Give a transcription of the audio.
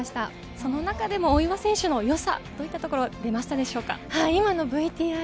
その中で大岩選手の良さはどういったところ出ましたでしょうか。